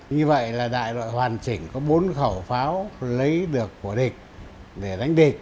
như vậy là đại đội hoàn chỉnh có bốn khẩu pháo lấy được của địch để đánh địch